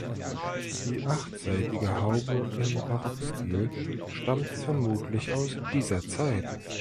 Die achtseitige Haube im Barockstil stammt vermutlich aus dieser Zeit.